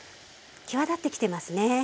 際立ってきてますね。